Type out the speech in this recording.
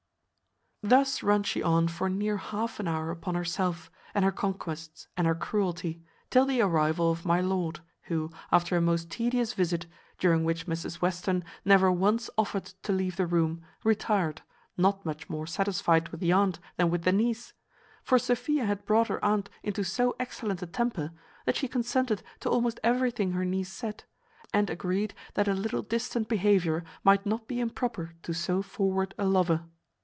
Thus run she on for near half an hour upon herself, and her conquests, and her cruelty, till the arrival of my lord, who, after a most tedious visit, during which Mrs Western never once offered to leave the room, retired, not much more satisfied with the aunt than with the niece; for Sophia had brought her aunt into so excellent a temper, that she consented to almost everything her niece said; and agreed that a little distant behaviour might not be improper to so forward a lover.